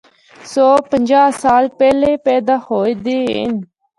سو پنجاع سال پہلا پیدا ہویے دے ہن۔